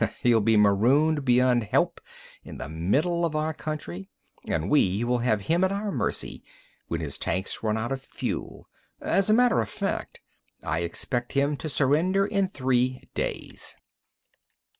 He'll be marooned beyond help in the middle of our country, and we will have him at our mercy when his tanks run out of fuel. As a matter of fact, I shall expect him to surrender in three days."